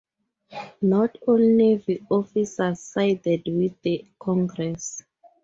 Not all navy officers sided with the congress.